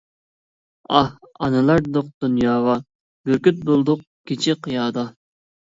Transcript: ئاھ، ئانىلار-دېدۇق دۇنياغا، بۈركۈت بولدۇق كېچە قىيادا.